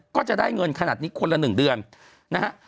ก็จะได้เงินขนาดนี้คนละ๑เดือนนะฮะ